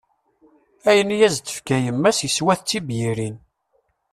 Ayen i as-d-tefka yemma-s, iswa-t d tibyirin.